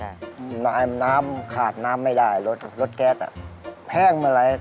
อ่าใช่น้ำขาดน้ำไม่ได้รถแก๊สอ่ะแพร่งมาแล้ว